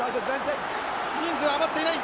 人数は余っていない。